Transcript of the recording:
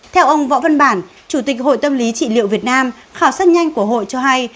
theo ông võ văn bản chủ tịch hội tâm lý trị liệu việt nam khảo sát nhanh của hội cho hay